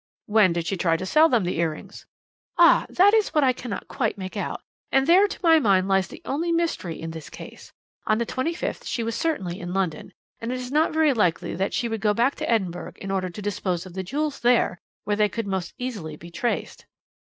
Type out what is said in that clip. "When did she try to sell them the earrings?" "Ah, that is what I cannot quite make out, and there to my mind lies the only mystery in this case. On the 25th she was certainly in London, and it is not very likely that she would go back to Edinburgh in order to dispose of the jewels there, where they could most easily be traced."